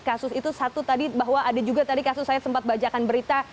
kasus itu satu tadi bahwa ada juga tadi kasus saya sempat bacakan berita